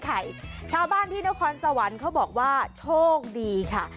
ขอราชาไข่ชาวบ้านที่นนะครสวรรค์ขอบอกว่าโชคดีค่ะ